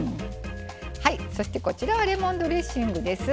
そしてこちらはレモンドレッシングです。